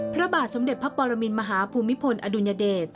พระบาทสมเด็จพระปรมินมหาภูมิพลอดุญเดช